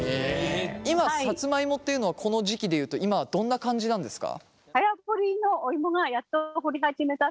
今さつまいもっていうのはこの時期で言うと今はどんな感じなんですか？